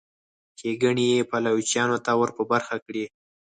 ښېګڼې یې پایلوچانو ته ور په برخه کړي.